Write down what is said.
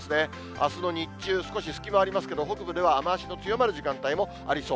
あすの日中、少し隙間ありますけど、北部では雨足の強まる時間帯もありそう。